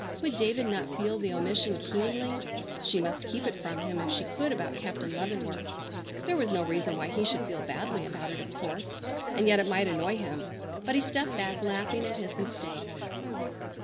Would David not feel the omission keenly? She must keep it from him if she could about Captain Leavenworth. There was no reason why he should feel badly about it, of course, and yet it might annoy him. But he stepped back laughing at his mistake.